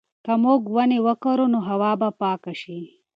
که موږ ونې وکرو نو هوا به پاکه شي.